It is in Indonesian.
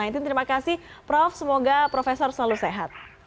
terima kasih prof semoga profesor selalu sehat